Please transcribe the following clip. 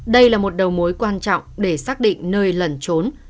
đây là một đầu mối quan trọng để xác định nơi lẩn trốn